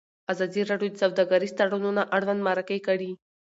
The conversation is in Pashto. ازادي راډیو د سوداګریز تړونونه اړوند مرکې کړي.